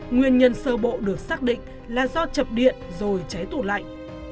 nguyên nhân sơ bộ được xác định là do chập điện rồi cháy tủ lạnh